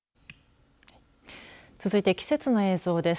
続いて季節の映像です。